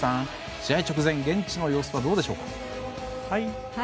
試合直前現地の様子はどうでしょうか？